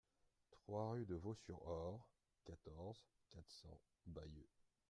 trois rue de Vaux-sur-Aure, quatorze, quatre cents, Bayeux